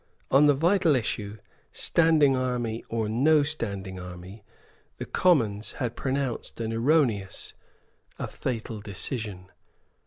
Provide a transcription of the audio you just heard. On the vital issue, Standing Army or no Standing Army, the Commons had pronounced an erroneous, a fatal decision.